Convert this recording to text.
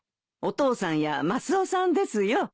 お父さんやマスオさんですよ。